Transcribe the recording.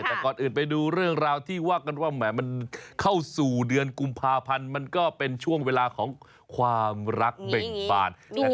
แต่ก่อนอื่นไปดูเรื่องราวที่ฟ่าพันธุ์เป็นช่วงความรักเปล่งฟาด